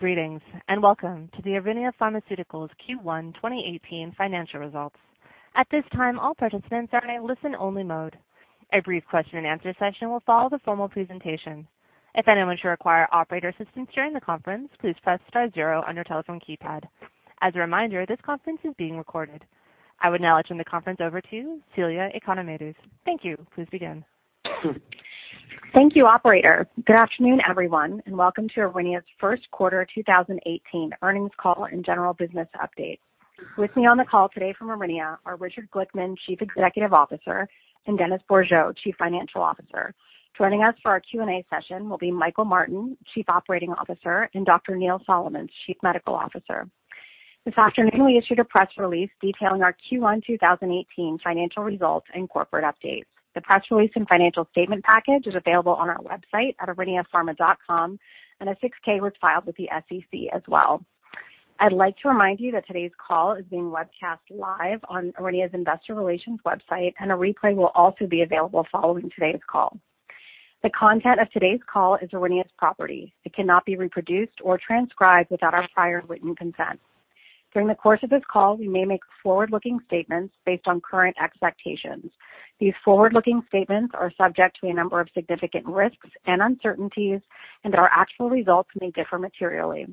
Greetings, and welcome to the Aurinia Pharmaceuticals Q1 2018 financial results. At this time, all participants are in a listen-only mode. A brief question and answer session will follow the formal presentation. If anyone should require operator assistance during the conference, please press star zero on your telephone keypad. As a reminder, this conference is being recorded. I would now turn the conference over to Celia Economides. Thank you. Please begin. Thank you, operator. Good afternoon, everyone, and welcome to Aurinia's first quarter 2018 earnings call and general business update. With me on the call today from Aurinia are Richard Glickman, Chief Executive Officer, and Dennis Bourgeault, Chief Financial Officer. Joining us for our Q&A session will be Michael Martin, Chief Operating Officer, and Dr. Neil Solomons, Chief Medical Officer. This afternoon, we issued a press release detailing our Q1 2018 financial results and corporate updates. The press release and financial statement package is available on our website at auriniapharma.com, and a 6-K was filed with the SEC as well. I'd like to remind you that today's call is being webcast live on Aurinia's investor relations website, and a replay will also be available following today's call. The content of today's call is Aurinia's property. It cannot be reproduced or transcribed without our prior written consent. During the course of this call, we may make forward-looking statements based on current expectations. These forward-looking statements are subject to a number of significant risks and uncertainties, and our actual results may differ materially.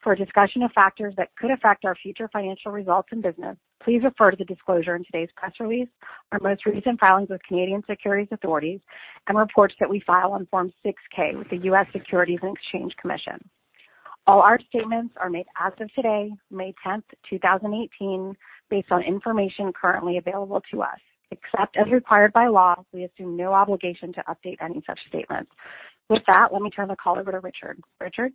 For a discussion of factors that could affect our future financial results and business, please refer to the disclosure in today's press release, our most recent filings with Canadian securities authorities, and reports that we file on Form 6-K with the U.S. Securities and Exchange Commission. All our statements are made as of today, May 10th, 2018, based on information currently available to us. Except as required by law, we assume no obligation to update any such statements. With that, let me turn the call over to Richard. Richard?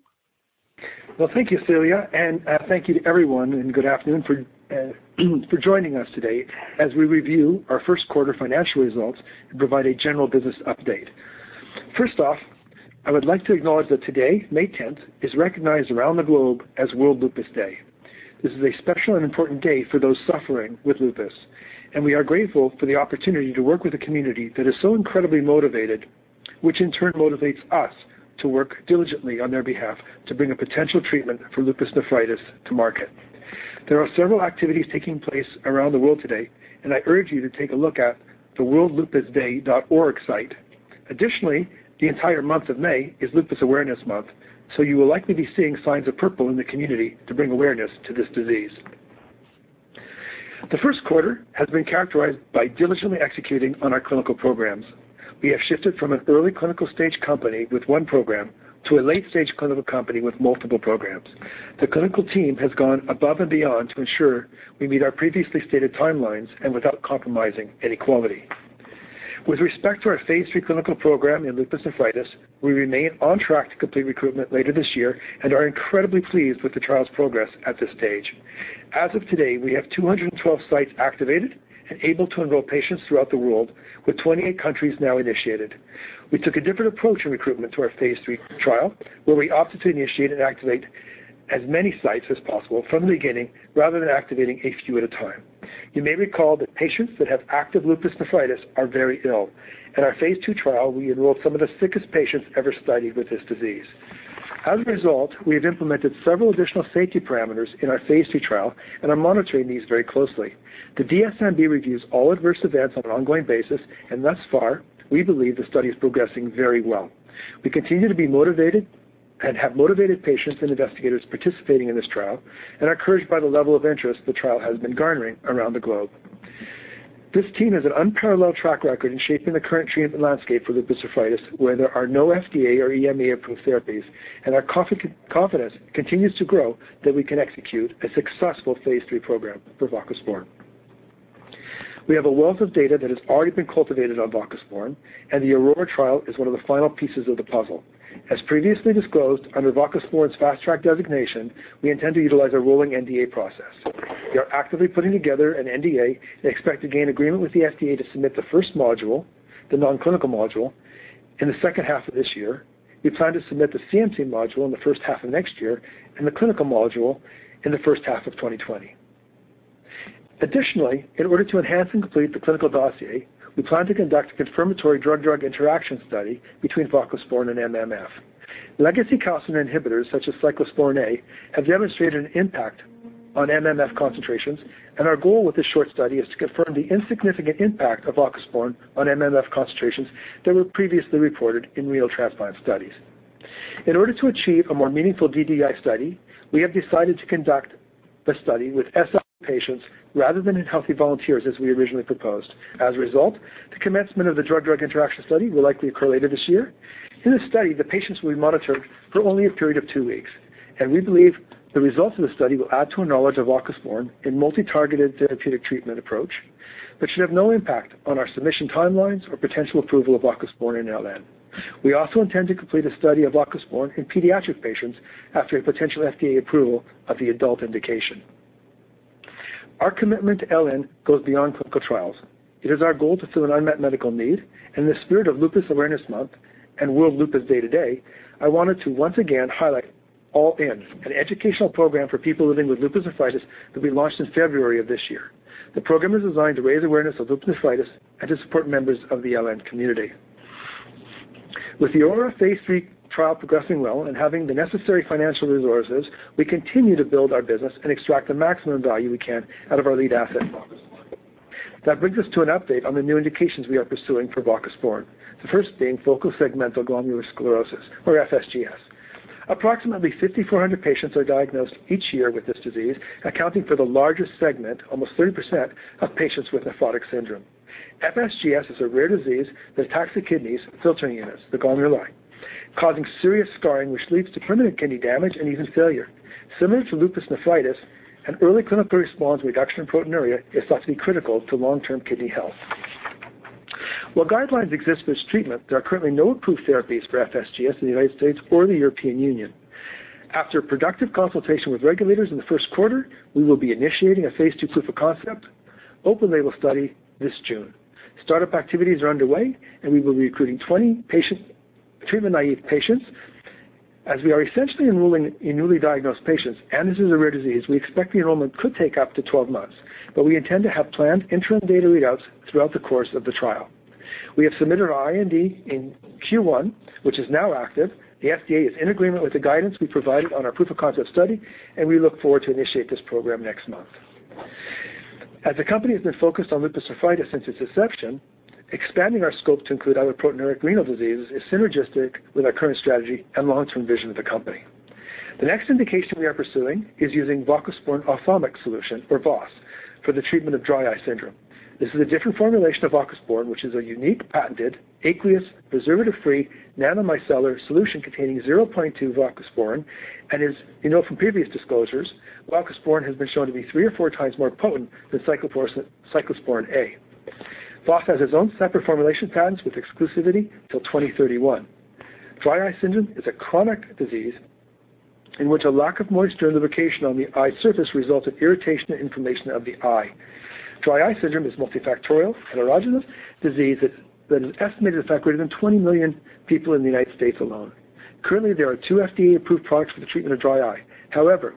Well, thank you, Celia, and thank you to everyone, and good afternoon for joining us today as we review our first quarter financial results and provide a general business update. First off, I would like to acknowledge that today, May 10th, is recognized around the globe as World Lupus Day. This is a special and important day for those suffering with lupus, and we are grateful for the opportunity to work with a community that is so incredibly motivated, which in turn motivates us to work diligently on their behalf to bring a potential treatment for lupus nephritis to market. There are several activities taking place around the world today, and I urge you to take a look at the worldlupusday.org site. Additionally, the entire month of May is Lupus Awareness Month, so you will likely be seeing signs of purple in the community to bring awareness to this disease. The first quarter has been characterized by diligently executing on our clinical programs. We have shifted from an early clinical stage company with one program to a late-stage clinical company with multiple programs. The clinical team has gone above and beyond to ensure we meet our previously stated timelines and without compromising any quality. With respect to our phase III clinical program in lupus nephritis, we remain on track to complete recruitment later this year and are incredibly pleased with the trial's progress at this stage. As of today, we have 212 sites activated and able to enroll patients throughout the world, with 28 countries now initiated. We took a different approach in recruitment to our phase III trial, where we opted to initiate and activate as many sites as possible from the beginning rather than activating a few at a time. You may recall that patients that have active lupus nephritis are very ill. In our phase II trial, we enrolled some of the sickest patients ever studied with this disease. As a result, we have implemented several additional safety parameters in our phase II trial and are monitoring these very closely. The DSMB reviews all adverse events on an ongoing basis, and thus far, we believe the study is progressing very well. We continue to be motivated and have motivated patients and investigators participating in this trial and are encouraged by the level of interest the trial has been garnering around the globe. This team has an unparalleled track record in shaping the current treatment landscape for lupus nephritis, where there are no FDA or EMA-approved therapies, and our confidence continues to grow that we can execute a successful phase III program for voclosporin. We have a wealth of data that has already been cultivated on voclosporin, and the AURORA trial is one of the final pieces of the puzzle. As previously disclosed, under voclosporin's Fast Track designation, we intend to utilize a rolling NDA process. We are actively putting together an NDA and expect to gain agreement with the FDA to submit the first module, the nonclinical module, in the second half of this year. We plan to submit the CMC module in the first half of next year and the clinical module in the first half of 2020. Additionally, in order to enhance and complete the clinical dossier, we plan to conduct a confirmatory drug-drug interaction study between voclosporin and MMF. Legacy calcineurin inhibitors such as cyclosporine A have demonstrated an impact on MMF concentrations, and our goal with this short study is to confirm the insignificant impact of voclosporin on MMF concentrations that were previously reported in renal transplant studies. In order to achieve a more meaningful DDI study, we have decided to conduct the study with SLE patients rather than in healthy volunteers as we originally proposed. As a result, the commencement of the drug-drug interaction study will likely occur later this year. In this study, the patients will be monitored for only a period of two weeks, and we believe the results of the study will add to our knowledge of voclosporin in multi-targeted therapeutic treatment approach but should have no impact on our submission timelines or potential approval of voclosporin in LN. We also intend to complete a study of voclosporin in pediatric patients after a potential FDA approval of the adult indication. Our commitment to LN goes beyond clinical trials. It is our goal to fill an unmet medical need. In the spirit of Lupus Awareness Month and World Lupus Day today, I wanted to once again highlight ALL IN, an educational program for people living with lupus nephritis that we launched in February of this year. The program is designed to raise awareness of lupus nephritis and to support members of the LN community. With the AURORA Phase III trial progressing well and having the necessary financial resources, we continue to build our business and extract the maximum value we can out of our lead asset, voclosporin. This brings us to an update on the new indications we are pursuing for voclosporin. The first being focal segmental glomerulosclerosis, or FSGS. Approximately 5,400 patients are diagnosed each year with this disease, accounting for the largest segment, almost 30%, of patients with nephrotic syndrome. FSGS is a rare disease that attacks the kidney's filtering units, the glomeruli, causing serious scarring, which leads to permanent kidney damage and even failure. Similar to lupus nephritis, an early clinical response reduction in proteinuria is thought to be critical to long-term kidney health. While guidelines exist for this treatment, there are currently no approved therapies for FSGS in the U.S. or the European Union. After productive consultation with regulators in the first quarter, we will be initiating a phase II proof of concept open label study this June. Start-up activities are underway and we will be recruiting 20 treatment-naïve patients. As we are essentially enrolling in newly diagnosed patients and this is a rare disease, we expect the enrollment could take up to 12 months, but we intend to have planned interim data readouts throughout the course of the trial. We have submitted our IND in Q1, which is now active. The FDA is in agreement with the guidance we provided on our proof of concept study, we look forward to initiate this program next month. As the company has been focused on lupus nephritis since its inception, expanding our scope to include other proteinuria renal diseases is synergistic with our current strategy and long-term vision of the company. The next indication we are pursuing is using voclosporin ophthalmic solution, or VOS, for the treatment of dry eye syndrome. This is a different formulation of voclosporin, which is a unique, patented, aqueous preservative-free nanomicellar solution containing 0.2 voclosporin. As you know from previous disclosures, voclosporin has been shown to be three or four times more potent than cyclosporine A. VOS has its own separate formulation patents with exclusivity till 2031. Dry eye syndrome is a chronic disease in which a lack of moisture and lubrication on the eye surface results in irritation and inflammation of the eye. Dry eye syndrome is a multifactorial and heterogenous disease that is estimated to affect greater than 20 million people in the U.S. alone. Currently, there are two FDA-approved products for the treatment of dry eye.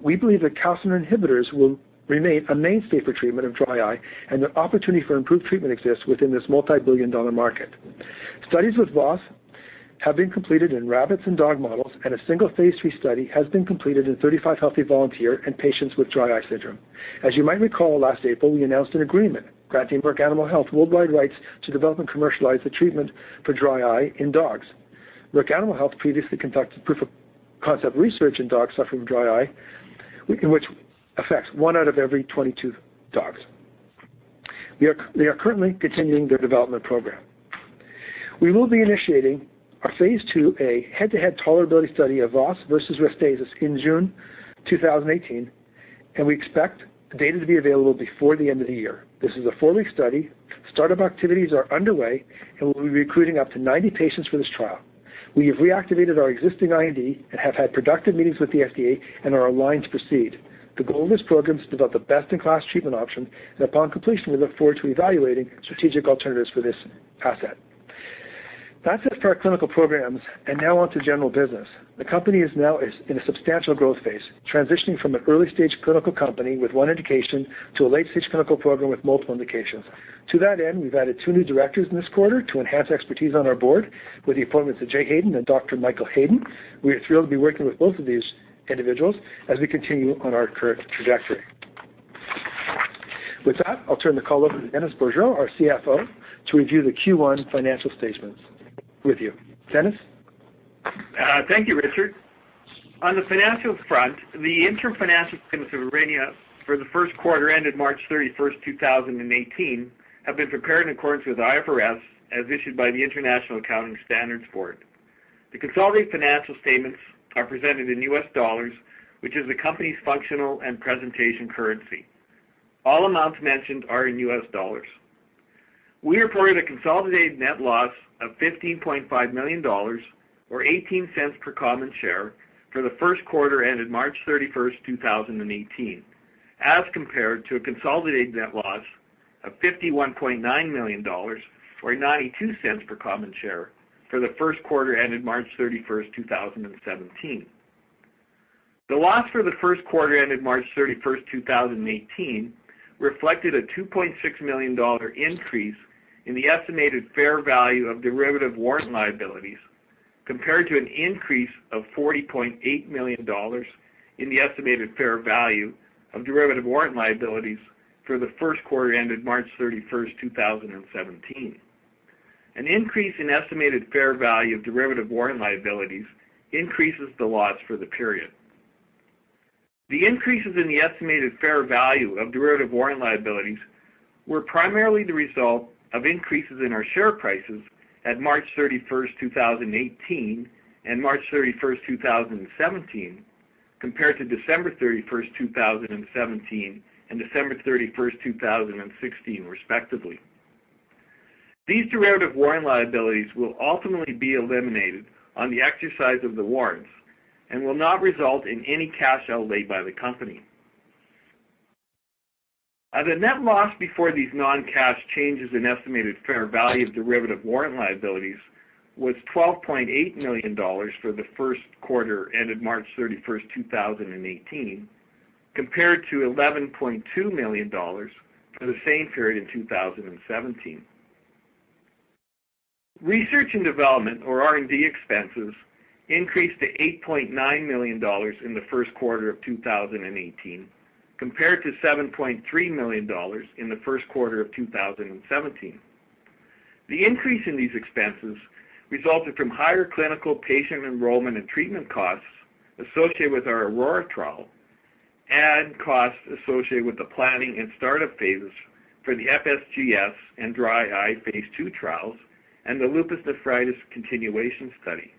We believe that calcineurin inhibitors will remain a mainstay for treatment of dry eye and that opportunity for improved treatment exists within this multibillion-dollar market. Studies with VOS have been completed in rabbits and dog models, and a single phase III study has been completed in 35 healthy volunteers and patients with dry eye syndrome. As you might recall, last April, we announced an agreement granting Merck Animal Health worldwide rights to develop and commercialize the treatment for dry eye in dogs. Merck Animal Health previously conducted proof of concept research in dogs suffering from dry eye, which affects 1 out of every 22 dogs. They are currently continuing their development program. We will be initiating our phase II-A head-to-head tolerability study of VOS versus Restasis in June 2018, and we expect the data to be available before the end of the year. This is a four-week study. Start-up activities are underway, and we will be recruiting up to 90 patients for this trial. We have reactivated our existing IND and have had productive meetings with the FDA and are aligned to proceed. The goal of this program is to develop the best-in-class treatment option, and upon completion, we look forward to evaluating strategic alternatives for this asset. That is it for our clinical programs, and now on to general business. The company is now in a substantial growth phase, transitioning from an early-stage clinical company with one indication to a late-stage clinical program with multiple indications. To that end, we have added two new directors this quarter to enhance expertise on our board with the appointments of Jay Hayden and Dr. Michael Hayden. We are thrilled to be working with both of these individuals as we continue on our current trajectory. With that, I will turn the call over to Dennis Bourgeault, our CFO, to review the Q1 financial statements with you. Dennis? Thank you, Richard. On the financials front, the interim financial statements of Aurinia for the first quarter ended March 31, 2018, have been prepared in accordance with IFRS, as issued by the International Accounting Standards Board. The consolidated financial statements are presented in US dollars, which is the company's functional and presentation currency. All amounts mentioned are in US dollars. We reported a consolidated net loss of $15.5 million, or $0.18 per common share for the first quarter ended March 31, 2018, as compared to a consolidated net loss of $51.9 million, or $0.92 per common share for the first quarter ended March 31, 2017. The loss for the first quarter ended March 31, 2018, reflected a $2.6 million increase in the estimated fair value of derivative warrant liabilities, compared to an increase of $40.8 million in the estimated fair value of derivative warrant liabilities for the first quarter ended March 31, 2017. An increase in estimated fair value of derivative warrant liabilities increases the loss for the period. The increases in the estimated fair value of derivative warrant liabilities were primarily the result of increases in our share prices at March 31, 2018 and March 31, 2017, compared to December 31, 2017 and December 31, 2016, respectively. These derivative warrant liabilities will ultimately be eliminated on the exercise of the warrants and will not result in any cash outlay by the company. The net loss before these non-cash changes in estimated fair value of derivative warrant liabilities was $12.8 million for the first quarter ended March 31st, 2018. Compared to $11.2 million for the same period in 2017. Research and development or R&D expenses increased to $8.9 million in the first quarter of 2018, compared to $7.3 million in the first quarter of 2017. The increase in these expenses resulted from higher clinical patient enrollment and treatment costs associated with our AURORA trial and costs associated with the planning and startup phases for the FSGS and dry eye phase II trials and the lupus nephritis continuation study.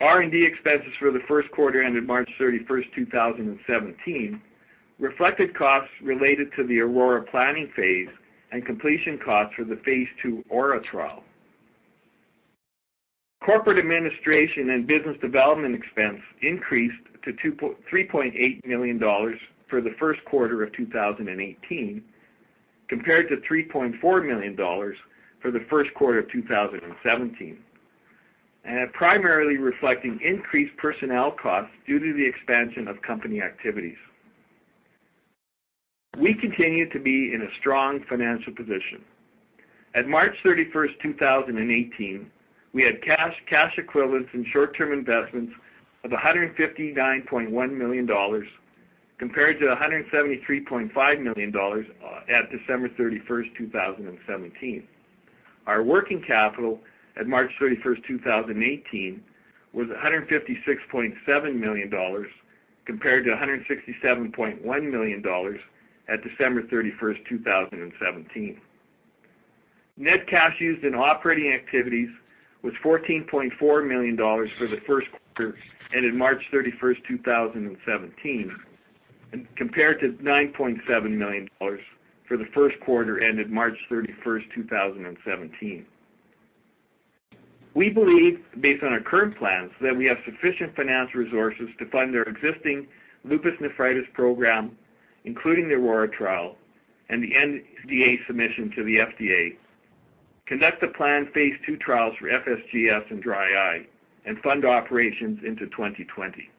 R&D expenses for the first quarter ended March 31st, 2017, reflected costs related to the AURORA planning phase and completion costs for the phase II AURA-LV trial. Corporate administration and business development expense increased to $3.8 million for the first quarter of 2018, compared to $3.4 million for the first quarter of 2017, and primarily reflecting increased personnel costs due to the expansion of company activities. We continue to be in a strong financial position. At March 31st, 2018, we had cash equivalents, and short-term investments of $159.1 million compared to $173.5 million at December 31st, 2017. Our working capital at March 31st, 2018, was $156.7 million compared to $167.1 million at December 31st, 2017. Net cash used in operating activities was $14.4 million for the first quarter ended March 31st, 2017, compared to $9.7 million for the first quarter ended March 31st, 2017. We believe, based on our current plans, that we have sufficient financial resources to fund our existing lupus nephritis program, including the AURORA trial and the NDA submission to the FDA, conduct the planned phase II trials for FSGS and dry eye, and fund operations into 2020.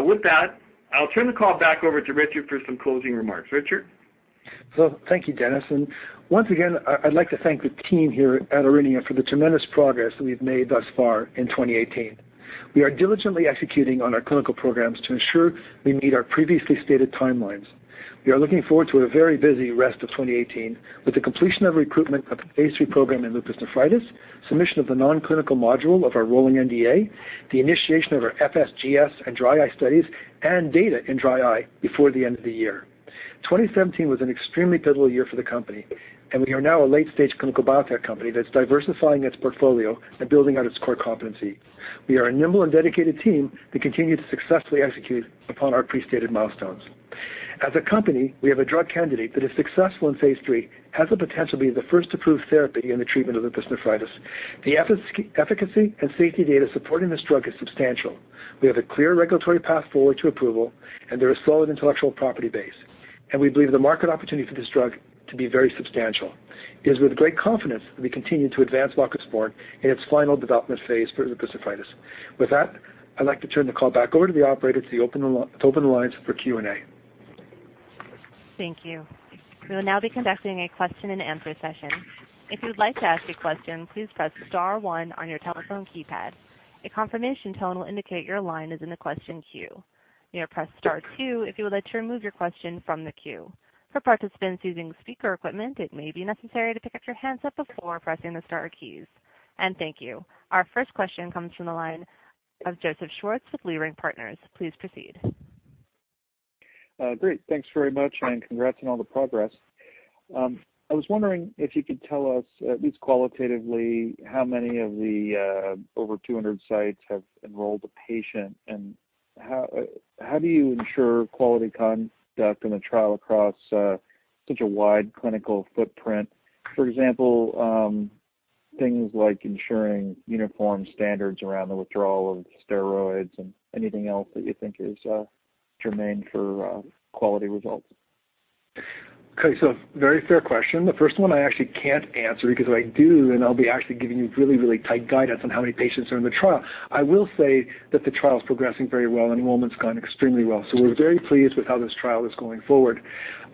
With that, I'll turn the call back over to Richard for some closing remarks. Richard? Thank you, Dennis. Once again, I'd like to thank the team here at Aurinia for the tremendous progress that we've made thus far in 2018. We are diligently executing on our clinical programs to ensure we meet our previously stated timelines. We are looking forward to a very busy rest of 2018 with the completion of recruitment of the phase III program in lupus nephritis, submission of the non-clinical module of our rolling NDA, the initiation of our FSGS and dry eye studies, and data in dry eye before the end of the year. 2017 was an extremely pivotal year for the company, and we are now a late-stage clinical biotech company that's diversifying its portfolio and building out its core competency. We are a nimble and dedicated team that continue to successfully execute upon our pre-stated milestones. As a company, we have a drug candidate that is successful in phase III, has the potential to be the first approved therapy in the treatment of lupus nephritis. The efficacy and safety data supporting this drug is substantial. We have a clear regulatory path forward to approval, there is solid intellectual property base. We believe the market opportunity for this drug to be very substantial. It is with great confidence that we continue to advance voclosporin in its final development phase for lupus nephritis. With that, I'd like to turn the call back over to the operator to open the lines for Q&A. Thank you. We will now be conducting a question and answer session. If you would like to ask a question, please press star one on your telephone keypad. A confirmation tone will indicate your line is in the question queue. You may press star two if you would like to remove your question from the queue. For participants using speaker equipment, it may be necessary to pick up your handset before pressing the star keys. Thank you. Our first question comes from the line of Joseph Schwartz with Leerink Partners. Please proceed. Great. Thanks very much, and congrats on all the progress. I was wondering if you could tell us, at least qualitatively, how many of the over 200 sites have enrolled a patient, and how do you ensure quality conduct in a trial across such a wide clinical footprint? For example, things like ensuring uniform standards around the withdrawal of steroids and anything else that you think is germane for quality results. Very fair question. The first one I actually can't answer because if I do, then I'll be actually giving you really, really tight guidance on how many patients are in the trial. I will say that the trial's progressing very well. Enrollment's gone extremely well. We're very pleased with how this trial is going forward.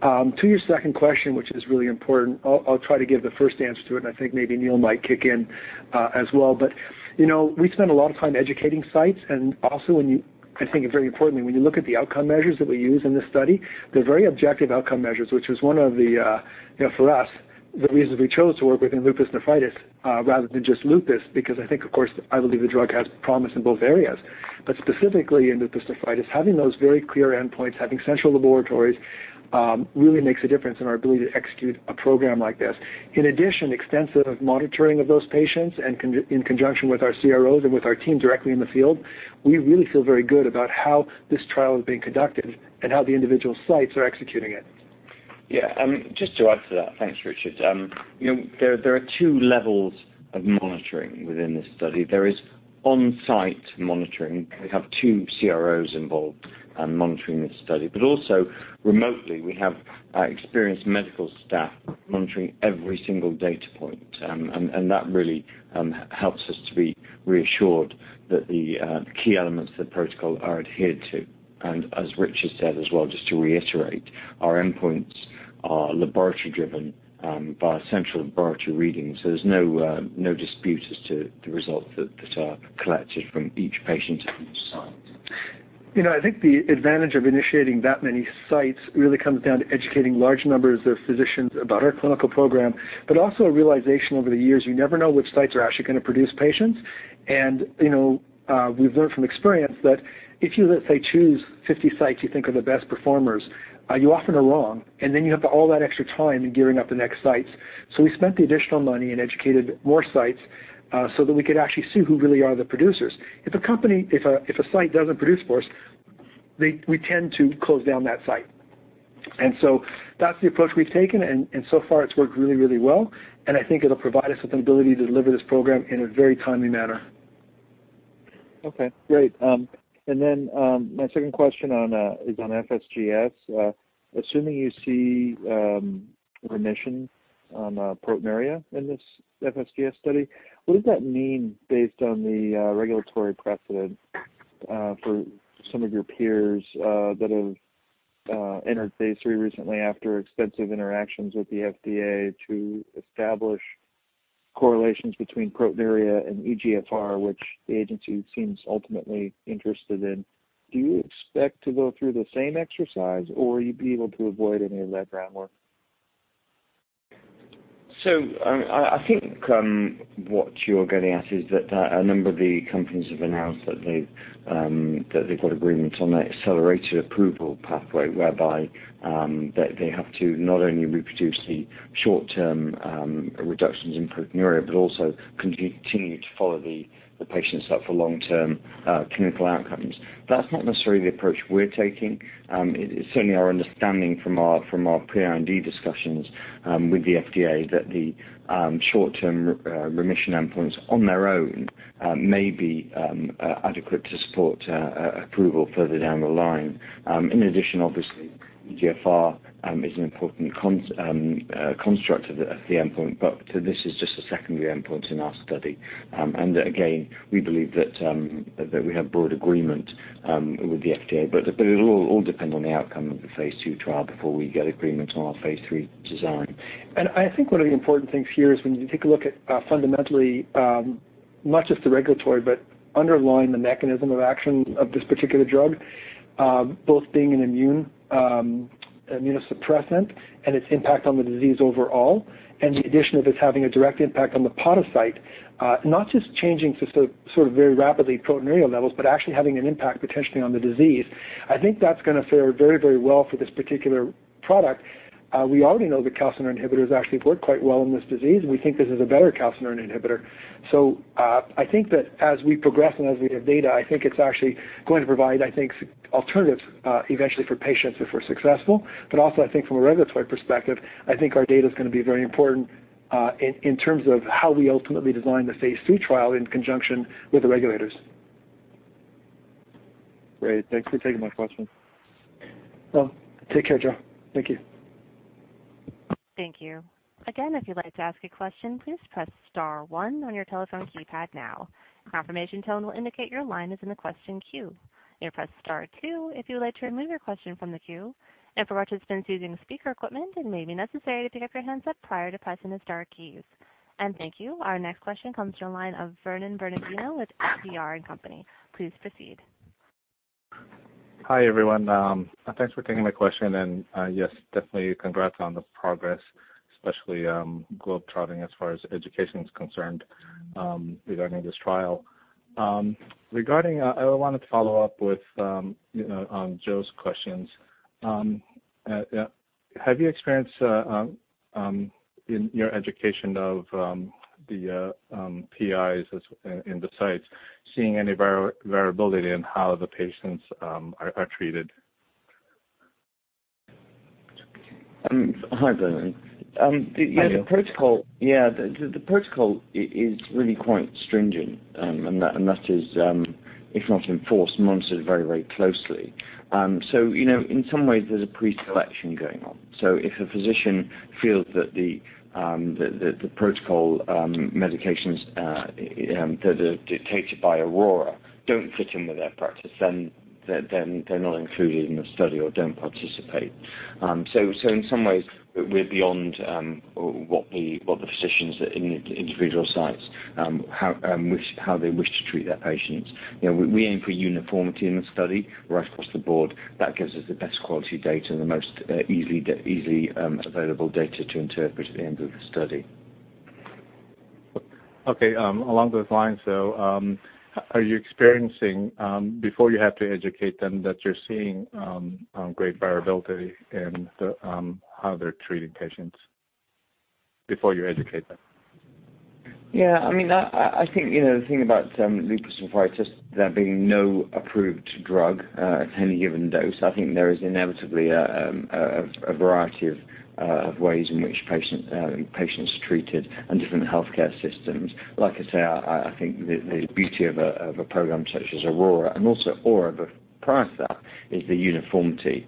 To your second question, which is really important, I'll try to give the first answer to it, and I think maybe Neil might kick in as well. We spend a lot of time educating sites. I think very importantly, when you look at the outcome measures that we use in this study, they're very objective outcome measures, which was one of the, for us, the reasons we chose to work within lupus nephritis, rather than just lupus, because I think, of course, I believe the drug has promise in both areas. Specifically in lupus nephritis, having those very clear endpoints, having central laboratories, really makes a difference in our ability to execute a program like this. In addition, extensive monitoring of those patients and in conjunction with our CROs and with our team directly in the field, we really feel very good about how this trial is being conducted and how the individual sites are executing it. Yeah. Just to add to that. Thanks, Richard. There are two levels of monitoring within this study. There is on-site monitoring. We have two CROs involved monitoring this study. Also remotely, we have experienced medical staff monitoring every single data point. That really helps us to be reassured that the key elements of the protocol are adhered to. As Richard said as well, just to reiterate, our endpoints are laboratory-driven by central laboratory readings. There's no disputes as to the results that are collected from each patient at each site. I think the advantage of initiating that many sites really comes down to educating large numbers of physicians about our clinical program, also a realization over the years, you never know which sites are actually going to produce patients. We've learned from experience that if you, let's say, choose 50 sites you think are the best performers, you often are wrong, then you have all that extra time in gearing up the next sites. We spent the additional money and educated more sites, so that we could actually see who really are the producers. If a site doesn't produce for us, we tend to close down that site. That's the approach we've taken, and so far it's worked really well, and I think it'll provide us with an ability to deliver this program in a very timely manner. Okay, great. My second question is on FSGS. Assuming you see remission on proteinuria in this FSGS study, what does that mean based on the regulatory precedent for some of your peers that have entered phase III recently after extensive interactions with the FDA to establish correlations between proteinuria and eGFR, which the agency seems ultimately interested in. Do you expect to go through the same exercise, or will you be able to avoid any of that groundwork? I think what you're getting at is that a number of the companies have announced that they've got agreements on the accelerated approval pathway, whereby they have to not only reproduce the short-term reductions in proteinuria, but also continue to follow the patients up for long-term clinical outcomes. That's not necessarily the approach we're taking. It's certainly our understanding from our pre-IND discussions with the FDA that the short-term remission endpoints on their own may be adequate to support approval further down the line. In addition, obviously, eGFR is an important construct of the endpoint, but this is just a secondary endpoint in our study. Again, we believe that we have broad agreement with the FDA, but it'll all depend on the outcome of the phase II trial before we get agreement on our phase III design. I think one of the important things here is when you take a look at fundamentally, not just the regulatory, but underlying the mechanism of action of this particular drug, both being an immunosuppressant and its impact on the disease overall, and the addition of it's having a direct impact on the podocyte, not just changing sort of very rapidly proteinuria levels, but actually having an impact potentially on the disease. I think that's going to fare very well for this particular product. We already know that calcineurin inhibitors actually work quite well in this disease. We think this is a better calcineurin inhibitor. I think that as we progress and as we have data, I think it's actually going to provide, I think, alternatives, eventually for patients if we're successful. Also, I think from a regulatory perspective, I think our data is going to be very important in terms of how we ultimately design the phase II trial in conjunction with the regulators. Great. Thanks for taking my question. Take care, Joe. Thank you. Thank you. Again, if you'd like to ask a question, please press star one on your telephone keypad now. A confirmation tone will indicate your line is in the question queue. You may press star two if you would like to remove your question from the queue. For participants using speaker equipment, it may be necessary to pick up your handset prior to pressing the star keys. Thank you. Our next question comes from the line of Vernon Bernardino with H.C. Wainwright & Co. Please proceed. Hi, everyone. Thanks for taking my question. Yes, definitely congrats on the progress, especially globetrotting as far as education is concerned regarding this trial. I wanted to follow up with Joe's questions. Have you experienced, in your education of the PIs in the sites, seeing any variability in how the patients are treated? Hi, Vernon. Hi. Yeah, the protocol is really quite stringent, and that is, if not enforced, monitored very closely. In some ways there's a pre-selection going on. If a physician feels that the protocol medications that are dictated by AURORA don't fit in with their practice, then they're not included in the study or don't participate. In some ways, we're beyond what the physicians at individual sites, how they wish to treat their patients. We aim for uniformity in the study right across the board. That gives us the best quality data and the most easily available data to interpret at the end of the study. Okay. Along those lines, though, are you experiencing, before you have to educate them, that you're seeing great variability in how they're treating patients, before you educate them? Yeah. I think the thing about lupus nephritis, there being no approved drug at any given dose, I think there is inevitably a variety of ways in which patients are treated and different healthcare systems. Like I say, I think the beauty of a program such as AURORA and also AURA-LV before that, is the uniformity,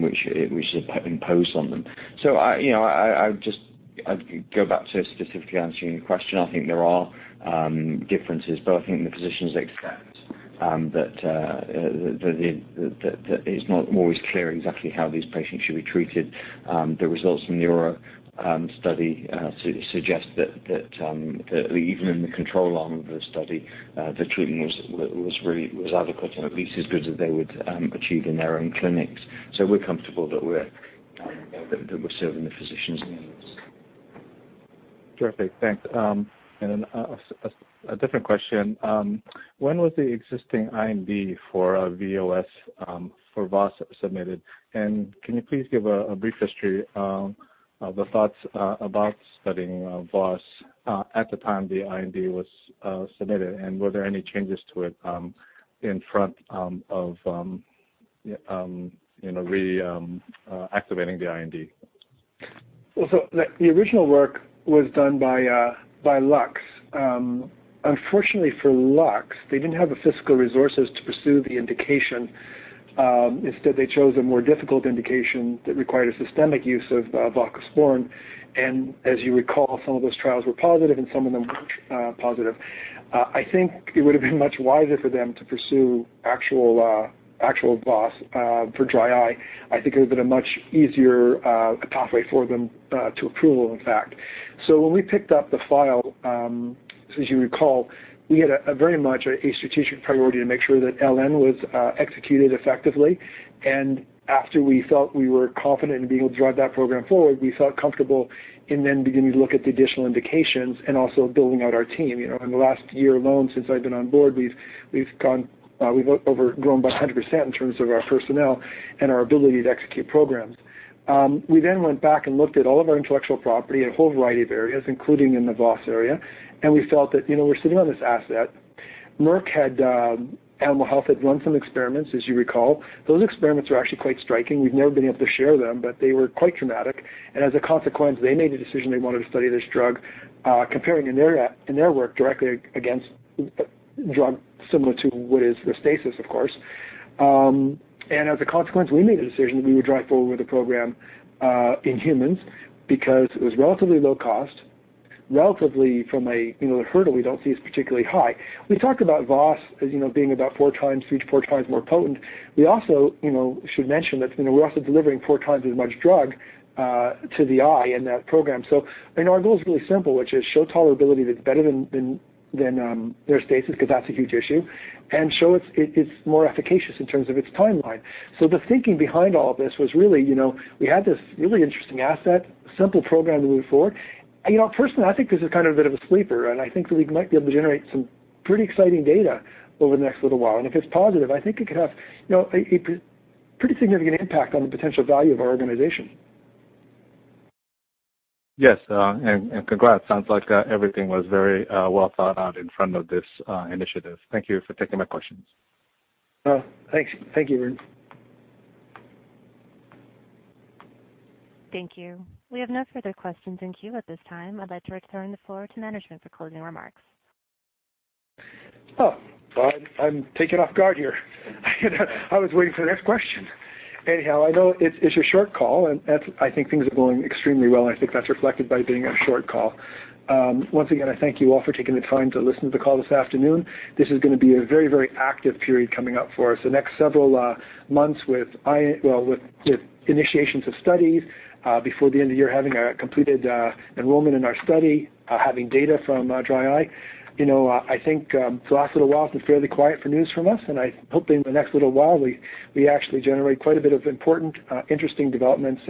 which is imposed on them. I would go back to specifically answering your question. I think there are differences, but I think the physicians expect That it's not always clear exactly how these patients should be treated. The results from the AURA study suggest that even in the control arm of the study, the treatment was adequate or at least as good as they would achieve in their own clinics. We're comfortable that we're serving the physicians' needs. Perfect, thanks. Then, a different question. When was the existing IND for VOS submitted? Can you please give a brief history of the thoughts about studying VOS at the time the IND was submitted, and were there any changes to it in front of reactivating the IND? Well, the original work was done by Lux. Unfortunately for Lux, they didn't have the fiscal resources to pursue the indication. Instead, they chose a more difficult indication that required a systemic use of voclosporin, and as you recall, some of those trials were positive and some of them weren't positive. I think it would've been much wiser for them to pursue actual VOS for dry eye. I think it would've been a much easier pathway for them to approval, in fact. When we picked up the file, as you recall, we had very much a strategic priority to make sure that LN was executed effectively. After we felt we were confident in being able to drive that program forward, we felt comfortable in then beginning to look at the additional indications and also building out our team. In the last year alone, since I've been on board, we've grown by 100% in terms of our personnel and our ability to execute programs. We then went back and looked at all of our intellectual property in a whole variety of areas, including in the VOS area, and we felt that, we're sitting on this asset. Merck Animal Health had run some experiments, as you recall. Those experiments were actually quite striking. We've never been able to share them, but they were quite dramatic. As a consequence, they made a decision they wanted to study this drug, comparing in their work directly against a drug similar to what is Restasis, of course. As a consequence, we made a decision that we would drive forward with the program, in humans, because it was relatively low cost, relatively from a hurdle we don't see as particularly high. We talked about VOS as being about three to four times more potent. We also should mention that we're also delivering four times as much drug to the eye in that program. Our goal is really simple, which is show tolerability that's better than Restasis, because that's a huge issue, and show it's more efficacious in terms of its timeline. The thinking behind all of this was really, we had this really interesting asset, simple program to move forward. Personally, I think this is kind of a bit of a sleeper, and I think that we might be able to generate some pretty exciting data over the next little while. If it's positive, I think it could have a pretty significant impact on the potential value of our organization. Yes. Congrats. Sounds like everything was very well thought out in front of this initiative. Thank you for taking my questions. Oh, thanks. Thank you, Vern. Thank you. We have no further questions in queue at this time. I'd like to return the floor to management for closing remarks. Oh. Well, I'm taken off guard here. I was waiting for the next question. I know it's a short call, and I think things are going extremely well, and I think that's reflected by it being a short call. Once again, I thank you all for taking the time to listen to the call this afternoon. This is going to be a very active period coming up for us. The next several months with initiations of studies, before the end of the year, having a completed enrollment in our study, having data from dry eye. I think the last little while has been fairly quiet for news from us, and I hope in the next little while, we actually generate quite a bit of important, interesting developments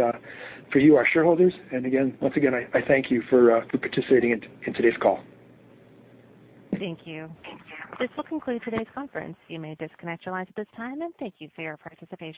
for you, our shareholders. Once again, I thank you for participating in today's call. Thank you. This will conclude today's conference. You may disconnect your lines at this time, and thank you for your participation.